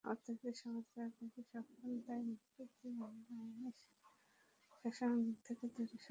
অর্থনীতি, সমাজ, রাজনীতি—সবখানে দায়মুক্তি দিয়ে আমরা আইনের শাসন থেকে দূরে সরে যাচ্ছি।